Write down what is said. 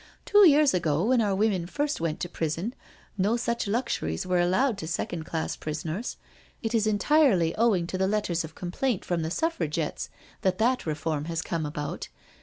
Two years ago, when our women first went to prison, no such luxuries were allowed to second class prisoners. It is entirely owing to the letters of complaint from the Suffragettes that that reform has come about.